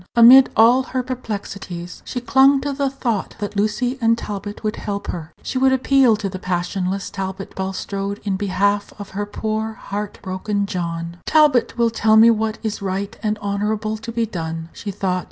Amid all her perplexities, she clung to the thought that Lucy and Talbot would help her. She would appeal to passionless Talbot Bulstrode in behalf of her poor heart broken John. "Talbot will tell me what is right and honorable to be done," she thought.